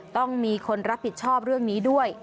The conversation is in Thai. ต้องมีคนรับผิดชอบเรื่องนี้ด้วย